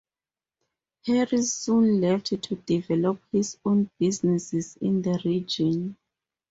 Harris soon left to develop his own businesses in the region.